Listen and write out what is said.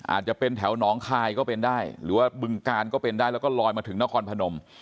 อาจจะเป็นแถวหนองคายก็เป็นได้หรือว่าบึงกาลก็เป็นได้แล้วก็ลอยมาถึงนครพนม